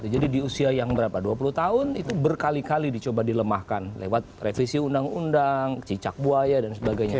jadi di usia yang berapa dua puluh tahun itu berkali kali dicoba dilemahkan lewat revisi undang undang cicak buaya dan sebagainya